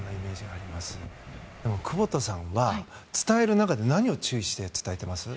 久保田さんは伝える中で何を注意して伝えていますか？